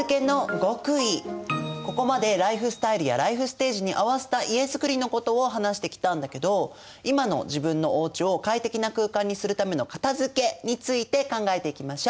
ここまでライフスタイルやライフステージに合わせた家づくりのことを話してきたんだけど今の自分のおうちを快適な空間にするためのかたづけについて考えていきましょう！